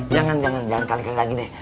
jangan jangan jangan kali kali lagi deh